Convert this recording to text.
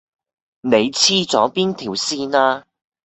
你黐咗邊條線呀